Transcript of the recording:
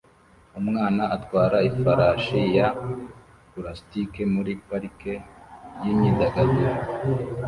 Umwana atwara ifarashi ya pulasitike muri parike yimyidagaduro